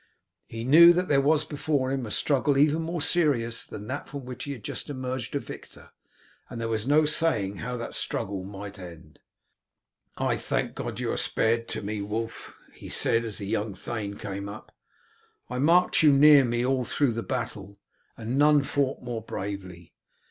He knew that there was before him a struggle even more serious than that from which he had just emerged a victor, and there was no saying how that struggle might end. "I thank God that you are spared to me, Wulf," he said as the young thane came up. "I marked you near me all through the battle, and none fought more bravely.